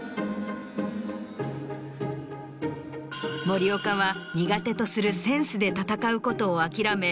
森岡は苦手とするセンスで戦うことを諦め